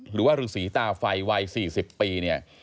หรือว่าฤษีตาไฟวัย๔๐ปีเนี่ย